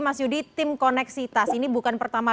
mas yudi tim koneksitas ini bukan pertama